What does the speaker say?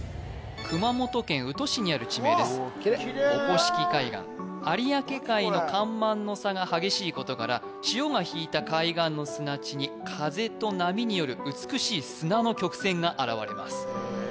熊本県宇土市にある地名ですキレイ御輿来海岸有明海の干満の差が激しいことから潮が引いた海岸の砂地に風と波による美しい砂の曲線が現れます